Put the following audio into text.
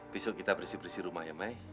besok kita bersih bersih rumah ya may